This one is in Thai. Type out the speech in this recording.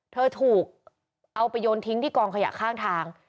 เธอถูกเอาไปโยนทิ้งที่กองขยะข้างทาง